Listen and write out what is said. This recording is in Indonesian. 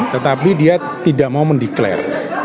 tetapi dia tidak mau mendeklarasi